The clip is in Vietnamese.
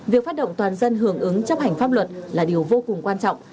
việc phát động toàn dân hưởng ứng chấp hành pháp luật là điều vô cùng quan trọng